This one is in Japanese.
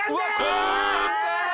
うわっ！